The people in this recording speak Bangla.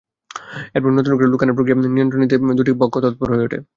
এরপরই নতুন করে লোক আনার প্রক্রিয়া নিয়ন্ত্রণে নিতে দুটি পক্ষ তৎপর হয়ে ওঠে।